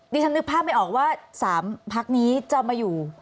ฉันนึกภาพไม่ออกว่า๓พักนี้จะมาอยู่